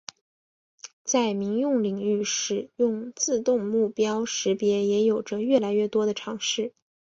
在民用领域使用自动目标识别也有着越来越多的尝试。